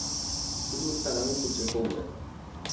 Uduogo karang'o kutieko wuoth?